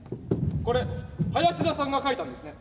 これ林田さんが書いたんですね。